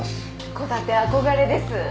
戸建て憧れです。